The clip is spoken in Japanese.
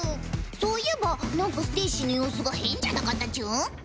そういえばなんかステイシーの様子が変じゃなかったチュン？